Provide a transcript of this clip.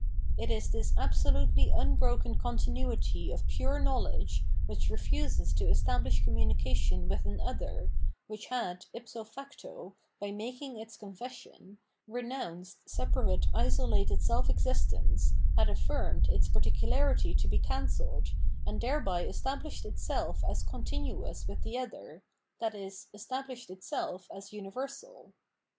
It is this absolutely unbroken continuity of pure knowledge which refuses to establish communication with an other, which had, ifso facto, by making its confession, renounced separate isolated self existence, had aflSrmed its particularity to be cancelled, and thereby estab hshed itself as continuous with the other, i.e. estab lished itself as universal.